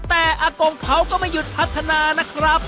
แต่อากงเขาก็ไม่หยุดพัฒนานะครับ